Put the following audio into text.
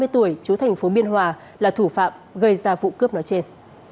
hai tuổi chú thành phố biên hòa là thủ phạm gây ra vụ cướp nó trên